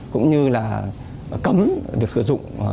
cũng như là cấm việc sử dụng